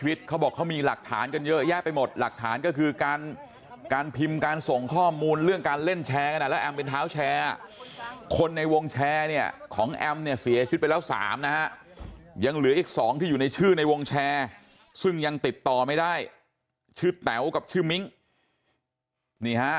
เขาบอกเขามีหลักฐานกันเยอะแยะไปหมดหลักฐานก็คือการการพิมพ์การส่งข้อมูลเรื่องการเล่นแชร์กันอ่ะแล้วแอมเป็นเท้าแชร์คนในวงแชร์เนี่ยของแอมเนี่ยเสียชีวิตไปแล้ว๓นะฮะยังเหลืออีก๒ที่อยู่ในชื่อในวงแชร์ซึ่งยังติดต่อไม่ได้ชื่อแต๋วกับชื่อมิ้งนี่ฮะ